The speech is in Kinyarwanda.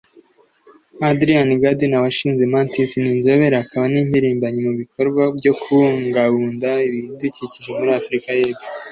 Adrian Gardiner washinze Mantis ni inzobere akaba n’impirimbanyi mu bikorwa byo kubungabunda ibidukikije muri Afurika y’Epfo